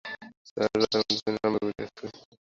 তাহারা রাজ্যমধ্যে উপদ্রব আরম্ভ করিয়া দিয়াছিল।